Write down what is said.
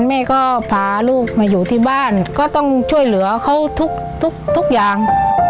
แม่ก็พาลูกมาอยู่ที่บ้านก็ต้องช่วยเหลือเขาทุกทุกอย่าง